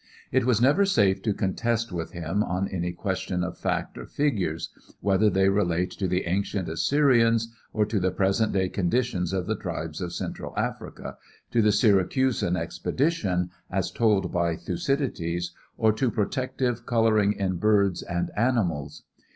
It was never safe to contest with him on any question of fact or figures, whether they relate to the ancient Assyrians or to the present day conditions of the tribes of central Africa, to the Syracusan Expedition, as told by Thucydides, or to protective coloring in birds and animals.